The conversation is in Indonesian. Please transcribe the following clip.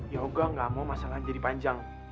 yaudah enggak mau masalah jadi panjang